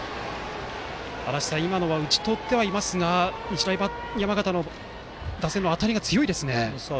今のは打ち取ってはいますが日大山形打線の当たりが強いですね。